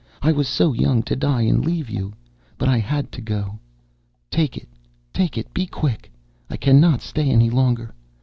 I was so young to die and leave you, but I had to go. Take it—take it; be quick, I cannot stay any longer.